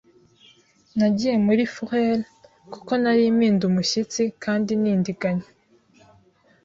Nagiye muri Führer kuko nari mpinda umushyitsi kandi ntindiganya